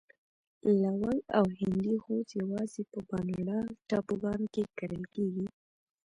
لونګ او هندي غوز یوازې په بانډا ټاپوګانو کې کرل کېدل.